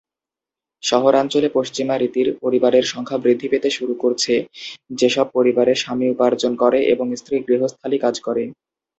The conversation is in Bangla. শহরাঞ্চলে পশ্চিমা রীতির পরিবারের সংখ্যা বৃদ্ধি পেতে শুরু করছে, যে সব পরিবারে স্বামী উপার্জন করে এবং স্ত্রী গৃহস্থালী কাজ করে।